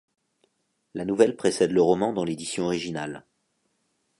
La nouvelle précède le roman dans l'édition originale.